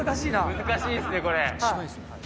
難しいっすね、これ。